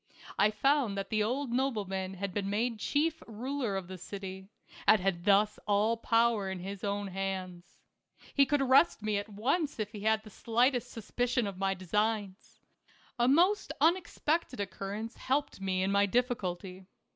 I found that the old nobleman had been made chief ruler of the city, and had thus all power in his own hands. He could arrest me at once if he had the slightest sus picion of my designs. . A most unexpected occur rence helped me in my difficulty.